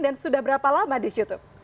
dan sudah berapa lama di youtube